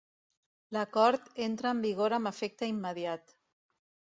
L'acord entra en vigor amb efecte immediat.